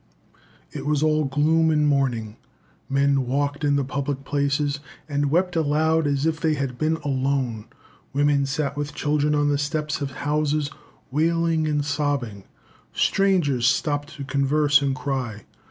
All was gloom and mourning; men walked in the public places, and wept aloud as if they had been alone; women sat with children on the steps of houses, wailing and sobbing. Strangers stopped to converse and cry.